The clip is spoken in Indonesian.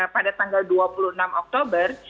pada tanggal dua puluh enam oktober